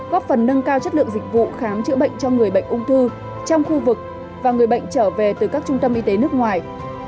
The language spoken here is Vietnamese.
góp phần nâng cao chất lượng dịch vụ khám chữa bệnh cho người bệnh ung thư trong khu vực và người bệnh trở về từ các trung tâm y tế nước ngoài